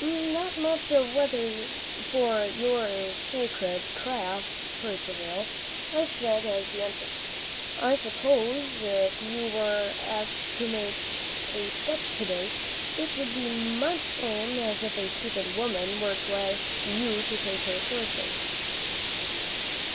"Not much of weather for your sacred craft, Percivale," I said as he entered. "I suppose, if you were asked to make a sketch to day, it would be much the same as if a stupid woman were to ask you to take her portrait?"